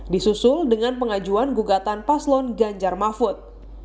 disusul dengan pengajuan gugatan paslon ganjar mahfud